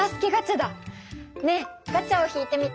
ねえガチャを引いてみて。